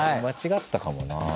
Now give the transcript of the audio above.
間違ったかもな。